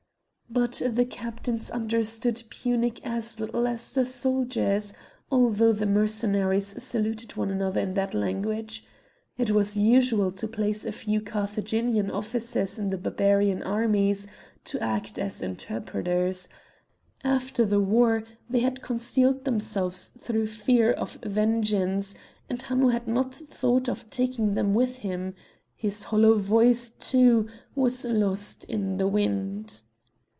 But the captains understood Punic as little as the soldiers, although the Mercenaries saluted one another in that language. It was usual to place a few Carthaginian officers in the Barbarian armies to act as interpreters; after the war they had concealed themselves through fear of vengeance, and Hanno had not thought of taking them with him; his hollow voice, too, was lost in the wind.